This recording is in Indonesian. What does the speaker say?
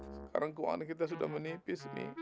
sekarang keuangan kita sudah menipis nih